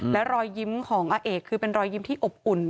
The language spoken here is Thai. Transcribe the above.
และรอยยิ้มของอาเอกคือเป็นรอยยิ้มที่อบอุ่น